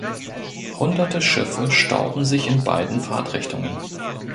Hunderte Schiffe stauten sich in beiden Fahrtrichtungen.